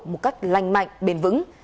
một cách lành mạnh bền vững